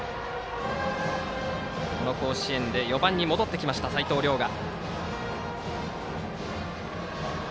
この甲子園で４番に戻ってきた齋藤崚雅。